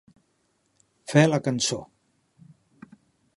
Fer la cançó.